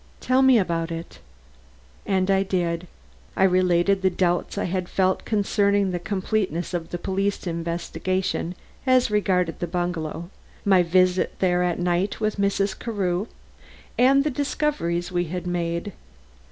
"Tell me about it." And I did. I related the doubts I had felt concerning the completeness of the police investigation as regarded the bungalow; my visit there at night with Mrs. Carew, and the discoveries we had made.